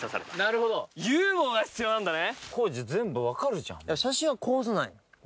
なるほどユーモアが必要なんだね